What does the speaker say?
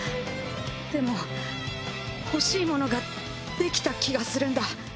でも欲しいものが出来た気がするんだ。